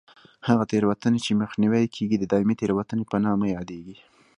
هغه تېروتنې چې مخنیوی یې کېږي د دایمي تېروتنې په نامه یادېږي.